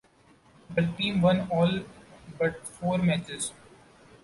The team won all but four matches.